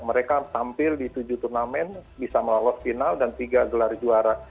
mereka tampil di tujuh turnamen bisa melolos final dan tiga gelar juara